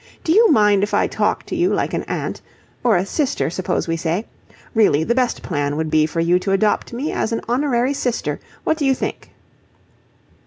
Do you mind if I talk to you like an aunt or a sister, suppose we say? Really, the best plan would be for you to adopt me as an honorary sister. What do you think?"